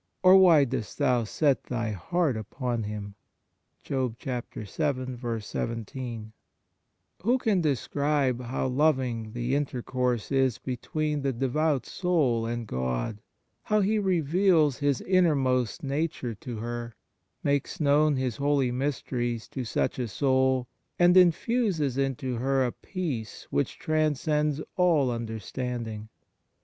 or why dost Thou set Thy heart upon him P" 1 Who can describe how loving the inter course is between the devout soul and God; how He reveals His innermost nature to her, makes known His holy mysteries to such a soul, and infuses into her a peace which transcends all under standing